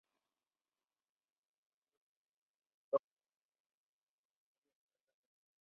Se graduó en secundaria con altas calificaciones.